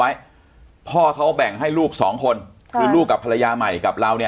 พ่อเขาแบ่งให้ลูกสองคนคือลูกกับภรรยาใหม่กับเราเนี่ย